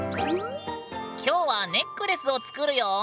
今日はネックレスを作るよ。